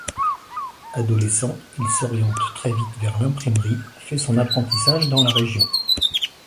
Adolescent, il s'oriente très vite vers l'imprimerie, fait son apprentissage dans la région.